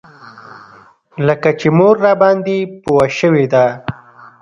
لکه چې مور راباندې پوه شوې ده.